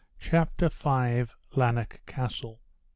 Chapter V. Lanark Castle.